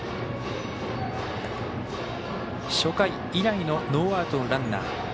初回以来のノーアウトのランナー。